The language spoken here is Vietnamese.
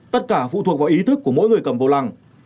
tất cả phụ thuộc vào ý thức của mỗi người cầm vô lăng